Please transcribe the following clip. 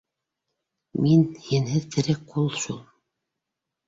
Мин һинһеҙ тере ҡул шул